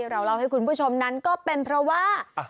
เราเล่าให้คุณผู้ชมนั้นก็เป็นเพราะว่า